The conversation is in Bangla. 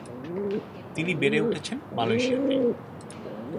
তিনি বেড়ে উঠেছেন মালয়েশিয়াতেই।